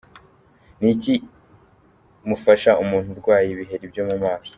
Ni iki mufasha umuntu urwaye ibiheri byo mu maso?.